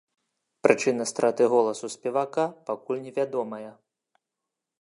Прычына страты голасу спевака пакуль невядомая.